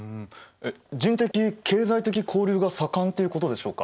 人的経済的な交流が盛んっていうことでしょうか。